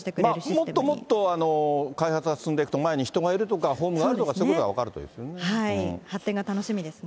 もっともっと開発が進んでいくと、前に人がいるとか、ホームがあるかどうか、そういうことが発展が楽しみですね。